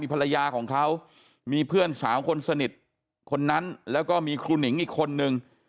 ภรรยาของเขามีเพื่อนสาวคนสนิทคนนั้นแล้วก็มีครูหนิงอีกคนนึง